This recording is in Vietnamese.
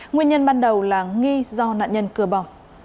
nguyên nhân ban đầu là nghi do nạn nhân cửa bỏ